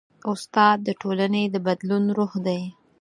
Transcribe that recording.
استاد د ټولنې د بدلون روح دی.